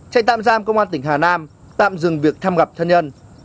chạy tạm giam công an tỉnh hà nam tạm dừng việc thăm gặp thân nhân